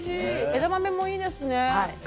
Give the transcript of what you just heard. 枝豆もいいですね。